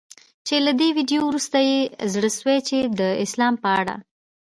چي له دې ویډیو وروسته یې زړه سوی چي د اسلام په اړه